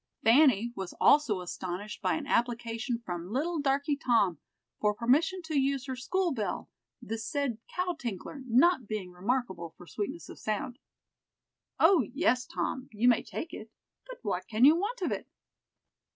Fanny was also astonished by an application from little "darky Tom" for permission to use her school bell, the said cow tinkler not being remarkable for sweetness of sound. "O, yes, Tom, you may take it; but what can you want of it?"